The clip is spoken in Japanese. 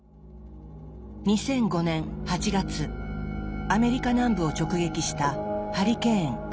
２００５年８月アメリカ南部を直撃したハリケーン・カトリーナ。